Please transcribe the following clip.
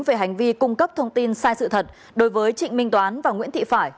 về hành vi cung cấp thông tin sai sự thật đối với trịnh minh toán và nguyễn thị phải